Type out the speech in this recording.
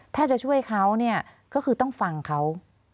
ถ้าจะช่วยเขาเนี่ยก็คือต้องฟังเขา